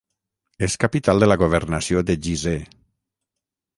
És capital de la governació de Gizeh.